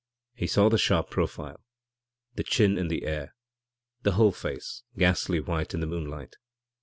He saw the sharp profile, the chin in the air, the whole face, ghastly white in the moonlight.